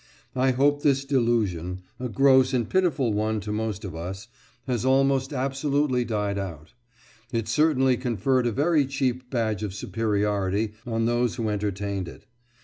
I hope this delusion a gross and pitiful one to most of us has almost absolutely died out. It certainly conferred a very cheap badge of superiority on those who entertained it.